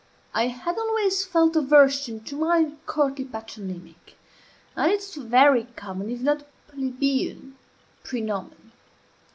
I had always felt aversion to my uncourtly patronymic, and its very common, if not plebeian praenomen.